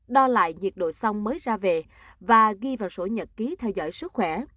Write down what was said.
đo lại nhiệt độ xong mới ra về và ghi vào sổ nhật ký theo dõi sức khỏe